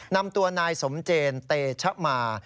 นำตัวนายสมเจนเตชะมา